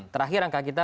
terakhir angka kita